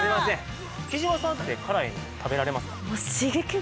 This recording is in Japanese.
貴島さんって辛いの食べられますか？